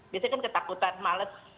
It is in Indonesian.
biasanya kan ketakutan malas